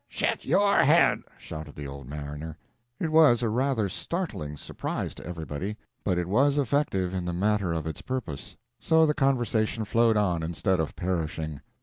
"Shet your head!" shouted the old mariner. It was a rather startling surprise to everybody, but it was effective in the matter of its purpose. So the conversation flowed on instead of perishing.